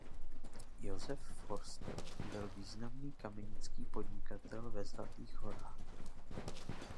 Josef Förster byl významný kamenický podnikatel ve Zlatých Horách.